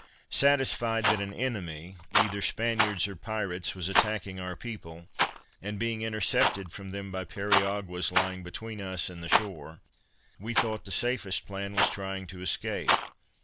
Satisfied that an enemy, either Spaniards or pirates, was attacking our people, and being intercepted from them by periaguas lying between us and the shore, we thought the safest plan was trying to escape.